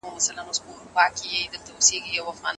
دا کتاب تر هغه بل کتاب ډېر ګټور معلومات لري.